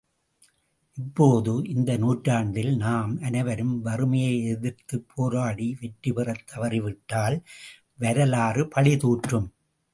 இப்போது, இந்த நூற்றாண்டில் நாம் அனைவரும் வறுமையை எதிர்த்துப் போராடி வெற்றிபெறத் தவறிவிட்டால் வரலாறு பழி தூற்றும்.